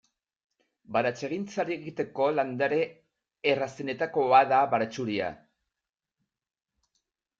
Baratzegintzari ekiteko landare errazenetakoa da baratxuria.